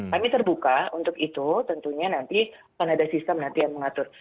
kami terbuka untuk itu tentunya nanti akan ada sistem nanti yang mengatur